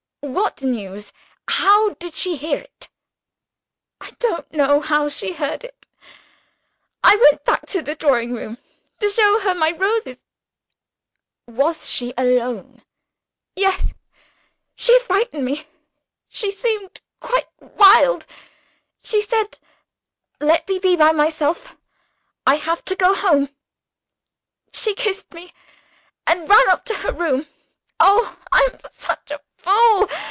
"What news? How did she hear it?" "I don't know how she heard it. I went back to the drawing room to show her my roses " "Was she alone?" "Yes! She frightened me she seemed quite wild. She said, 'Let me be by myself; I shall have to go home.' She kissed me and ran up to her room. Oh, I am such a fool!